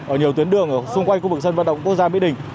ở nhiều tuyến đường ở xung quanh khu vực sân vận động quốc gia mỹ đình